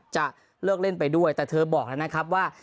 จะเลิกเล่นไปด้วยแต่เธอบอกแล้วนะครับว่า